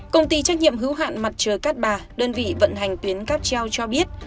công ty trách nhiệm hữu hạn mặt trời cát bà đơn vị vận hành tuyến cáp treo cho biết